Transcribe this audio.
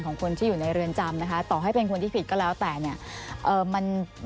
ของคนที่อยู่ในเรือนจำนะคะต่อให้เป็นคนที่ผิดก็แล้วแต่เนี่ยเอ่อมัน